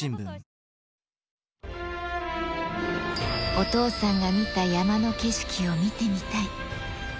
お父さんが見た山の景色を見てみたい。